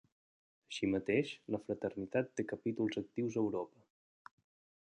Així mateix, la fraternitat té capítols actius a Europa.